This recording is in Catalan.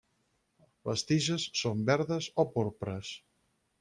Les tiges són verdes o porpres.